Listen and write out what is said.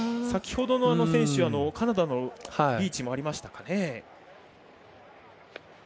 先ほどの選手、カナダのリーチもありましたかね。